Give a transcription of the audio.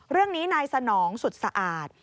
เรื่องนี้นายสนองสุดสะอาด